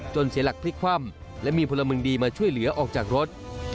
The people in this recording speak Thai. เสียหลักพลิกคว่ำและมีพลเมืองดีมาช่วยเหลือออกจากรถ